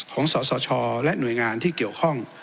สสชและหน่วยงานที่เกี่ยวข้อง